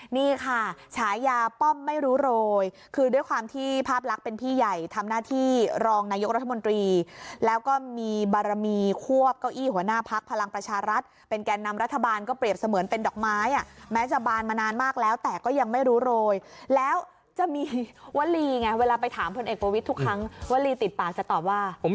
นี่ค่ะฉายาป้อมไม่รู้โรยคือด้วยความที่ภาพลักษณ์เป็นพี่ใหญ่ทำหน้าที่รองนายกรัฐมนตรีแล้วก็มีบารมีควบเก้าอี้หัวหน้าพักพลังประชารัฐเป็นแก่นำรัฐบาลก็เปรียบเสมือนเป็นดอกไม้อ่ะแม้จะบานมานานมากแล้วแต่ก็ยังไม่รู้โรยแล้วจะมีวลีไงเวลาไปถามพลเอกประวิทย์ทุกครั้งวลีติดปากจะตอบว่า